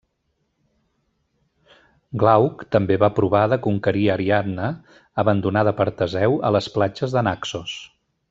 Glauc també va provar de conquerir Ariadna, abandonada per Teseu a les platges de Naxos.